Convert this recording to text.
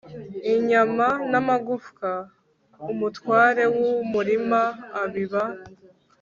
Inyama namagufwa umutware wumurima abiba